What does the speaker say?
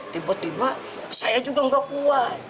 tiba tiba saya juga nggak kuat